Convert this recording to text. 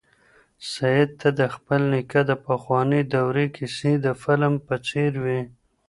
سعید ته د خپل نیکه د پخوانۍ دورې کیسې د فلم په څېر وې.